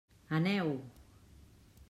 Aneu!